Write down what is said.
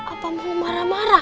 apa mau marah marah